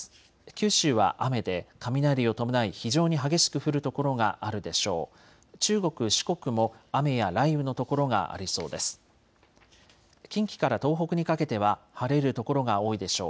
九州は雨で雷を伴い非常に激しく降る所があるでしょう。